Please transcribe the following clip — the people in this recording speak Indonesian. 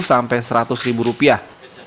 terdapat kemampuan yang sangat berlebihan